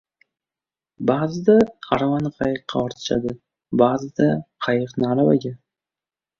• Ba’zida aravani qayiqqa ortishadi, ba’zida qayiqni ― aravaga.